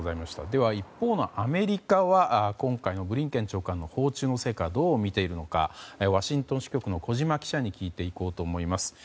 では、一方のアメリカは今回のブリンケン長官の訪中の成果はどう見ているのかワシントン支局の小島記者に聞いていこうと思います。